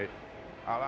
あら。